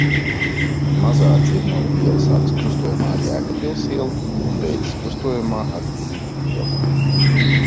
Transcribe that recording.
Mazā Dzirnavu iela sākas krustojumā ar Jēkabpils ielu un beidzas krustojumā ar Zivju ielu.